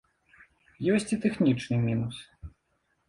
Ёсць і тэхнічны мінус.